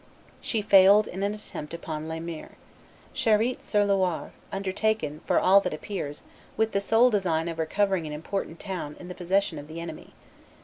She failed in an attempt upon Laemir. Charite sur Loire, undertaken, for all that appears, with the sole design of recovering an important town in the possession of the enemy.